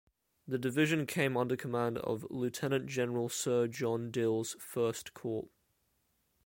The division came under command of Lieutenant General Sir John Dill's I Corps.